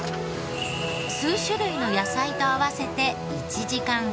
数種類の野菜と合わせて１時間半。